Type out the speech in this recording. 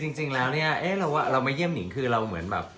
คือจริงเนี่ยเรามาเยี่ยมหรีนคือเราเหมือนเป็น